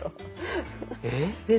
えっ⁉